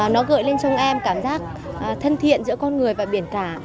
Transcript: nó gợi lên trong em cảm giác thân thiện giữa con người và biển cả